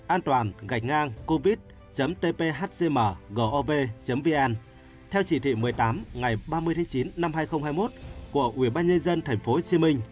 antoan covid tphcmgov vn theo chỉ thị một mươi tám ngày ba mươi chín hai nghìn hai mươi một của ubnd tp hcm